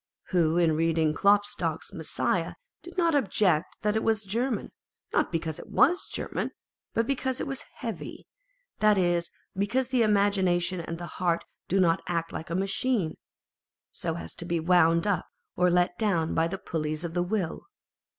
Who in reading Klopstock's Messiah did not object that it was German, not because it was German, but because it was heavy ; that is, because the imagination and the heart do not act like a machine, so as to be wound up or let down by the pulleys of the will